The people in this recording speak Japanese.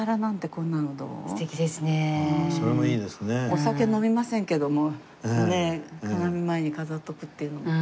お酒飲みませんけどもねえ鏡前に飾っておくっていうのも。